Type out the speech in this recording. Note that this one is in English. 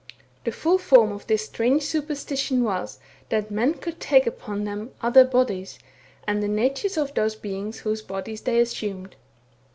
The full form of this strange superstition was, that men could take upon them other bodies, and the natures of those beings whose bodies they assumed.